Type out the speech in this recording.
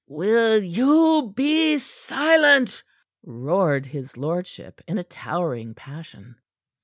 "Will you be silent?" roared his lordship, in a towering passion.